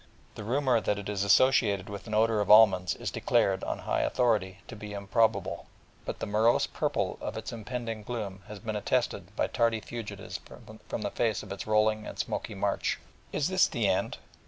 The rumour that it is associated with an odour of almonds is declared, on high authority, to be improbable; but the morose purple of its impending gloom has been attested by tardy fugitives from the face of its rolling and smoky march. 'Is this the end?